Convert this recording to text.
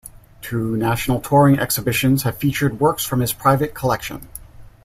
Two national touring exhibitions have featured works from his private collection.